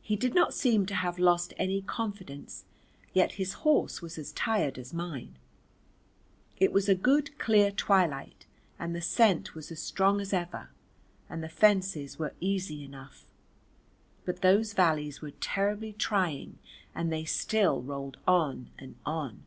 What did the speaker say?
He did not seem to have lost any confidence yet his horse was as tired as mine. It was a good clear twilight and the scent was as strong as ever, and the fences were easy enough, but those valleys were terribly trying and they still rolled on and on.